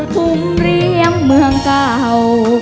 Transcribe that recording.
คุ้มเรียมเมืองเก่า